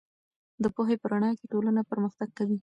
د پوهې په رڼا کې ټولنه پرمختګ کوي.